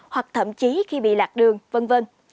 hoặc thậm chí khi bị lạc đường vân vân